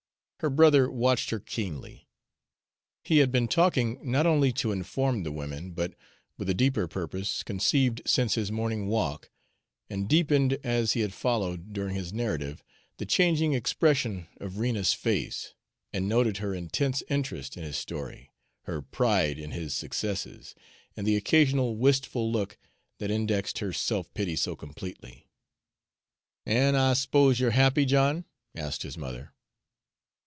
Her brother watched her keenly. He had been talking not only to inform the women, but with a deeper purpose, conceived since his morning walk, and deepened as he had followed, during his narrative, the changing expression of Rena's face and noted her intense interest in his story, her pride in his successes, and the occasional wistful look that indexed her self pity so completely. "An' I s'pose you're happy, John?" asked his mother.